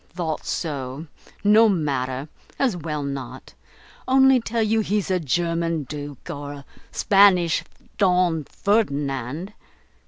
"Thought so. No matter, as well not. Only tell you he's a German Duke, or a Spanish Don Ferdinand.